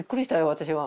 私は。